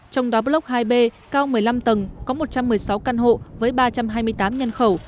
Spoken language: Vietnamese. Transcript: trong đó block hai b cao một mươi năm tầng có một trăm một mươi sáu căn hộ với ba trăm hai mươi tám nhân khẩu